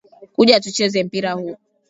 Kuja tucheze mpira huu.